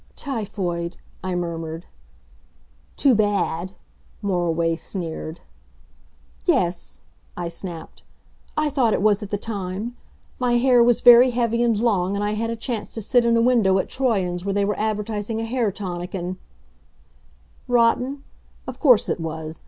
"Typhoid," I murmured. "Too bad!" Moriway sneered. "Yes," I snapped. "I thought it was at the time. My hair was very heavy and long, and I had a chance to sit in a window at Troyon's where they were advertising a hair tonic and " Rotten? Of course it was.